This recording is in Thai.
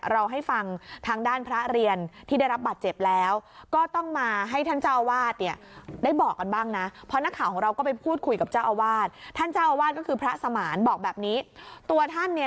เราให้ฟังทางด้านพระเรียนที่ได้รับบัตรเจ็บแล้ว